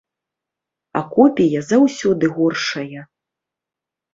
А копія заўсёды горшая.